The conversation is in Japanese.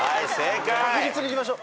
確実にいきましょう。